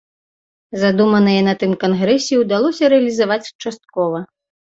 Задуманае на тым кангрэсе ўдалося рэалізаваць часткова.